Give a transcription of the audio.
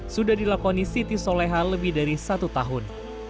sudah dilakoni siti soleha lebih dari satu tahun